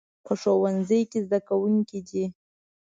په ښوونځي کې زده کوونکي دي